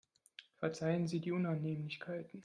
Verzeihen Sie die Unannehmlichkeiten.